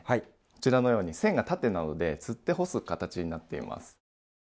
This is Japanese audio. こちらのように線が縦なのでつって干す形になっています。